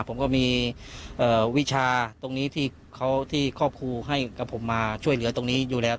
ผมก็มีวิชาตรงนี้ที่เขาครอบครูให้กับผมมาช่วยเหลือตรงนี้อยู่แล้ว